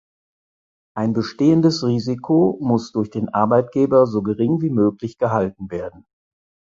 Ein bestehendes Risiko muss durch den Arbeitgeber so gering wie möglich gehalten werden.